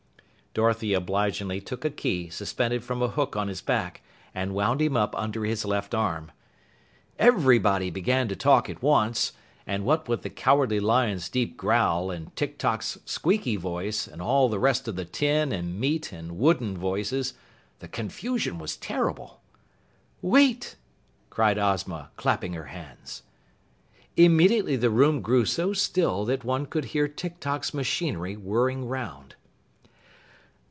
Dorothy obligingly took a key suspended from a hook on his back and wound him up under his left arm. Everybody began to talk at once, and what with the Cowardly Lion's deep growl and Tik Tok's squeaky voice and all the rest of the tin and meat and wooden voices, the confusion was terrible. "Wait!" cried Ozma, clapping her hands. Immediately the room grew so still that one could hear Tik Tok's machinery whirring 'round.